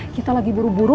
kita lagi buru buru